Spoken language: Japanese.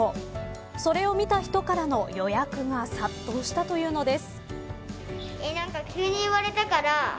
それを見た人からの予約が殺到したというのです。